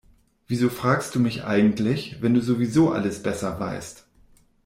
Wieso fragst du mich eigentlich, wenn du sowieso alles besser weißt?